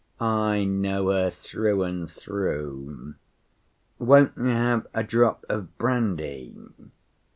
I know her through and through! Won't you have a drop of brandy?